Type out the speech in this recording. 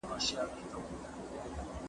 آیا ستا په سیمه کې انټرنیټ شته؟